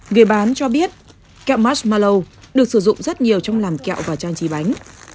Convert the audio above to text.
người bán cho biết kẹo masmalo được sử dụng rất nhiều trong làm kẹo và trang trí bánh